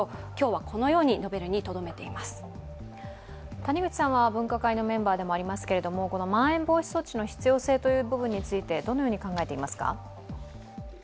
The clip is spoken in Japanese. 谷口さんは分科会のメンバーでもありますけれども、このまん延防止措置の必要性について、どのように考えていますか？